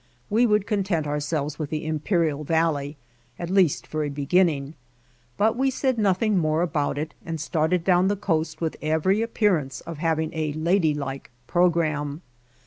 We would content ourselves with the Imperial Valley, at least for a beginning; but we said nothing more about it and started down the coast with every appearance of having a ladylike programme.